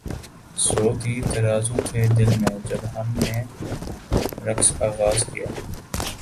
سو تیر ترازو تھے دل میں جب ہم نے رقص آغاز کیا